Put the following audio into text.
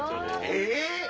えっ！